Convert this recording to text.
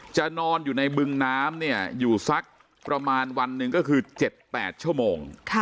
จะนอนอยู่ในบึงน้ำอยู่สักประมาณวันหนึ่งก็คือ๗๘ชั่วโมง